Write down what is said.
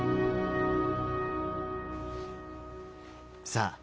さあ